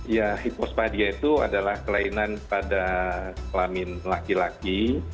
ya hipospadia itu adalah kelainan pada kelamin laki laki